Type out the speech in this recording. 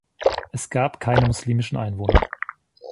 Es gab keine muslimischen Einwohner.